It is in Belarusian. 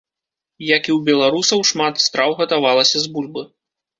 Як і ў беларусаў, шмат страў гатавалася з бульбы.